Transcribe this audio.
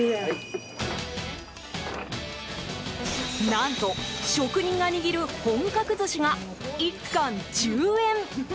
何と、職人が握る本格寿司が１貫１０円。